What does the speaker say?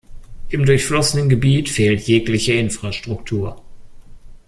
Im durchflossenen Gebiet fehlt jegliche Infrastruktur.